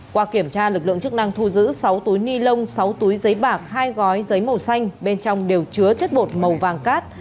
qua kiểm tra lực lượng chức năng thu giữ sáu túi ni lông sáu túi giấy bạc hai gói giấy màu xanh bên trong đều chứa chất bột màu vàng cát